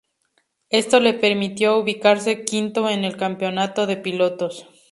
Esto le permitió ubicarse quinto en el campeonato de pilotos.